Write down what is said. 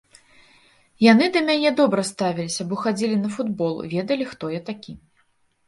Яны да мяне добра ставіліся, бо хадзілі на футбол, ведалі, хто я такі.